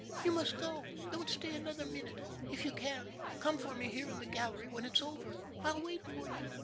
You must go. Don't stay another minute. If you can, come for me here in the gallery, when it's over. I'll wait for you.